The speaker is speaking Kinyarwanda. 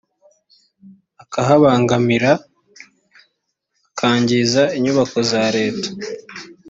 akahabangamira akangiza inyubako za leta